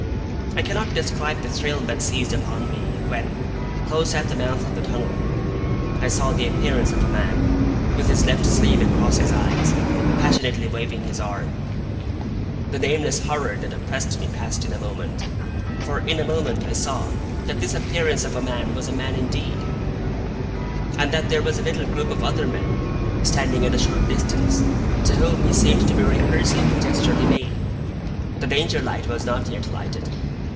I cannot describe the thrill that seized upon me, when, close at the mouth of the tunnel, I saw the appearance of a man, with his left sleeve across his eyes, passionately waving his right arm. The nameless horror that oppressed me passed in a moment, for in a moment I saw that this appearance of a man was a man indeed, and that there was a little group of other men, standing at a short distance, to whom he seemed to be rehearsing the gesture he made. The Danger light was not yet lighted.